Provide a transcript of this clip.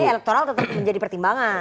jadi elektoral tetap menjadi pertimbangan